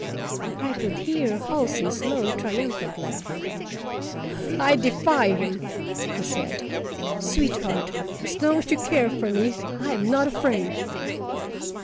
I could hear Halsey's low triumphant laugh. "I defy him," he said. "Sweetheart, as long as you care for me, I am not afraid."